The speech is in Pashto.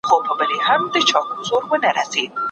نوراحمد قرآن مل سيد شاه محمد دروېش